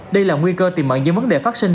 đây là nguy cơ tìm ẩn những vấn đề phát sinh